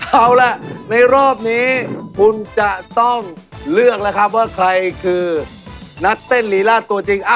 เอาล่ะในรอบนี้คุณจะต้องเลือกแล้วครับว่าใครคือนักเต้นลีลาดตัวจริง